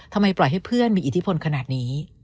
ปล่อยให้เพื่อนมีอิทธิพลขนาดนี้